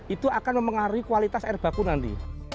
itu akan mempengaruhi kualitas air baku nanti